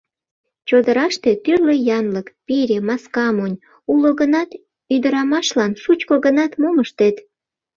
Чодыраште тӱрлӧ янлык: пире, маска монь — уло гынат, ӱдырамашлан шучко гынат, мом ыштет?..